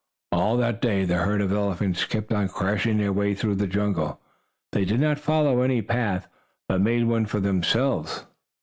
All that day the herd of elephants kept on, crashing their way through the jungle. They did not follow any path, but made one for themselves.